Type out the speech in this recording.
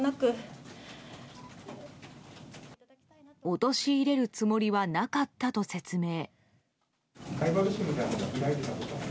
陥れるつもりはなかったと説明。